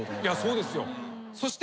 そうですよ。